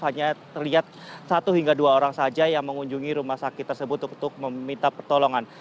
hanya terlihat satu hingga dua orang saja yang mengunjungi rumah sakit tersebut untuk meminta pertolongan